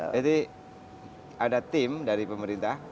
jadi ada tim dari pemerintah